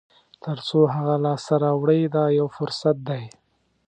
تر څو هغه لاسته راوړئ دا یو فرصت دی.